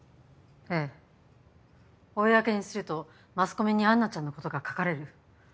ええ公にするとマスコミにアンナちゃんのことが書かれる。